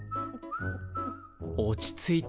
落ち着いて。